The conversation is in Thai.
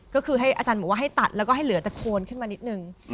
ก็คือให้อาจารย์บอกว่าให้ตัดแล้วก็ให้เหลือแต่โคนขึ้นมานิดนึง